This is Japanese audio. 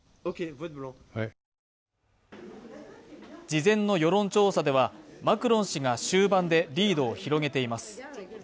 事前の世論調査ではマクロン氏が終盤でリードを広げています。